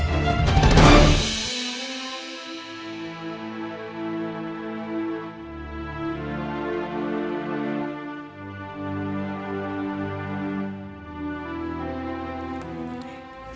sifat tunggu dulu ya